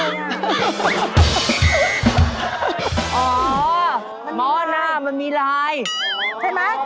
มันมีไลน์มันมีไลน์มันมีไลน์ใช่ไหม